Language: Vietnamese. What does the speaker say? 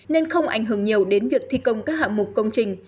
nên không ảnh hưởng nhiều đến việc thi công các hạng mục công trình